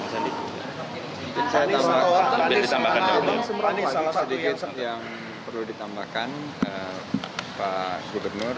ini salah satu yang perlu ditambahkan pak gubernur